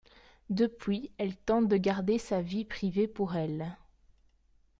Depuis, elle tente de garder sa vie privée pour elle.